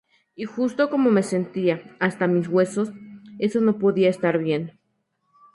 Y justo como me sentía, hasta mis huesos, eso no podía estar bien.